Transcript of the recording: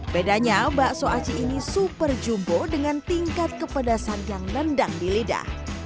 bedanya bakso aci ini super jumbo dengan tingkat kepedasan yang nendang di lidah